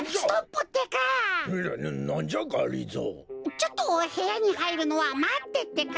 ちょっとへやにはいるのはまってってか！